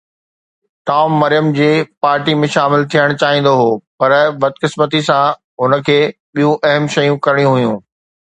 Tom Maryam جي party ۾ شامل ٿيڻ چاهيندو هو پر بدقسمتي سان هن کي ٻيون اهم شيون ڪرڻيون هيون.